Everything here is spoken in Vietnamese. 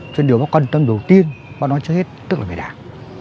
cho nên điều bác quan tâm đầu tiên bác nói trước hết tức là về đảng